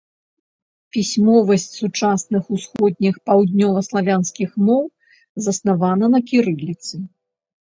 Пісьмовасць сучасных усходніх паўднёваславянскіх моў заснавана на кірыліцы.